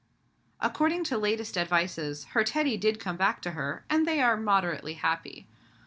According to latest advices, her Teddy did come back to her, and they are moderately happy.